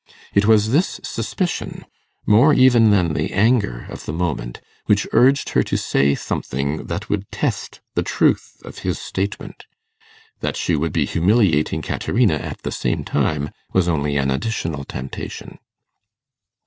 It was this suspicion, more even than the anger of the moment, which urged her to say something that would test the truth of his statement. That she would be humiliating Caterina at the same time, was only an additional temptation.